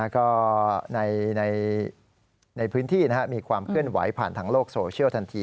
ก็ในพื้นที่มีความเคลื่อนไหวผ่านทางโลกโซเชียลทันที